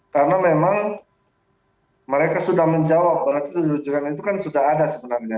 karena memang mereka sudah menjawab berarti rujukan itu kan sudah ada sebenarnya